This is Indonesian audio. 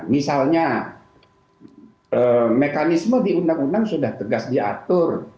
misalnya mekanisme di undang undang sudah tegas diatur